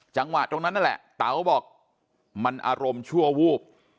จังหวะตรงนั้นนั่นแหละเต๋าบอกมันอารมณ์ชั่ววูบ